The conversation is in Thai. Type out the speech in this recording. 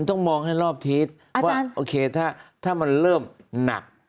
ต้องมองให้รอบทิศว่าโอเคถ้ามันเริ่มหนัก